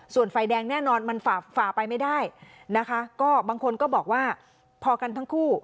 ส่วนไฟแดงแน่นอนมันฝ่าฝ่าไปไม่ได้นะคะก็บางคนก็บอกว่าพอกันทั้งคู่